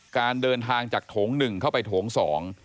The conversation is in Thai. การเดินทางจากโถง๑เข้าไปโถง๒